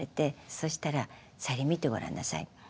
そしたら「さゆり見てご覧なさい。